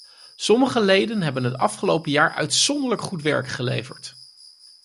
Sommige leden hebben het afgelopen jaar uitzonderlijk goed werk geleverd.